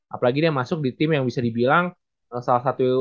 apalagi dia masuk di tim yang bisa dibilang salah satu